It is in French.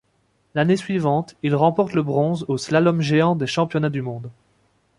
L'année suivante, il remporte le bronze au slalom géant des championnats du monde.